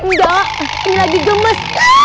nggak ini lagi gemes